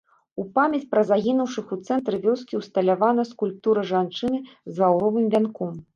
У памяць пра загінуўшых у цэнтры вёскі ўсталявана скульптура жанчыны з лаўровым вянком.